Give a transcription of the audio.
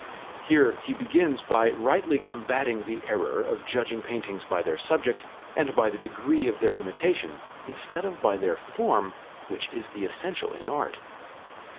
Here he begins by rightly combating the error of judging paintings by their subject and by the degree of their imitation, instead of by their form, which is the essential in art.